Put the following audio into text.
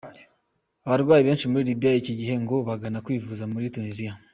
Abarwayi benshi muri Libya iki gihe ngo bagana kwivuza muri Tunisia.